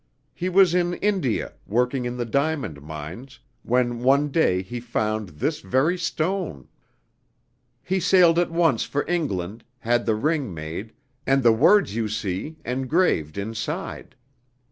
He was in India, working in the diamond mines, when one day he found this very stone. "He sailed at once for England, had the ring made, and the words you see engraved inside.